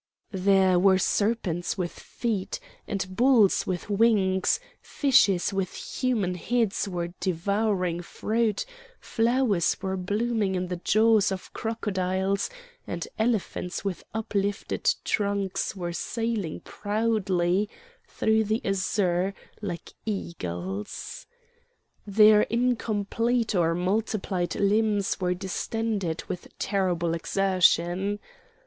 There were serpents with feet, and bulls with wings, fishes with human heads were devouring fruit, flowers were blooming in the jaws of crocodiles, and elephants with uplifted trunks were sailing proudly through the azure like eagles. Their incomplete or multiplied limbs were distended with terrible exertion.